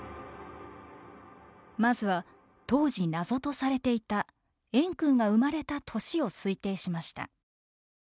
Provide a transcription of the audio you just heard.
まずは当時謎とされていた円空が生まれた年を推定しました。